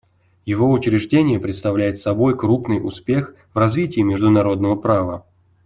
Его учреждение представляет собой крупный успех в развитии международного права.